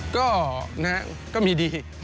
ก็นะครับก็มีดี